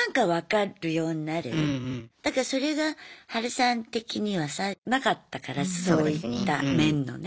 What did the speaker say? だからそれがハルさん的にはさなかったからそういった面のね。